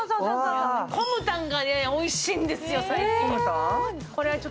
コムタンがおいしいんですよ、最近。